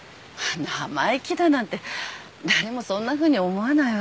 生意気だなんて誰もそんなふうに思わないわ。